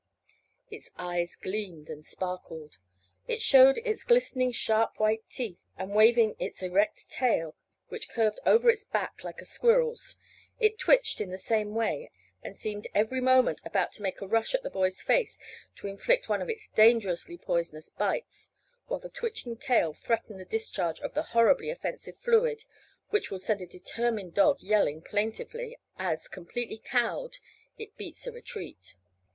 Its eyes gleamed and sparkled; it showed its glistening sharp white teeth, and waving its erect tail, which curved over its back like a squirrel's, it twitched in the same way, and seemed every moment about to make a rush at the boy's face to inflict one of its dangerously poisonous bites, while the twitching tail threatened the discharge of the horribly offensive fluid which will send a determined dog yelling plaintively, as, completely cowed, it beats a retreat.